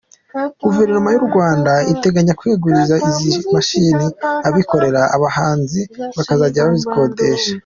Guverinoma y’u Rwanda irateganya kwegurira izi mashini abikorera, abahinzi bakazajya bazikodesha.